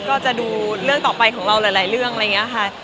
ก็จะดูเรื่องต่อไปของเราหลายเรื่องอะไรอย่างนี้ค่ะ